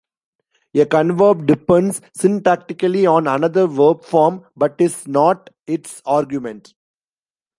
A converb depends syntactically on another verb form, but is not its argument.